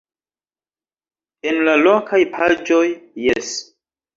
En la lokaj paĝoj - jes.